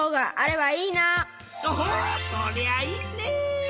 おおそりゃあいいね！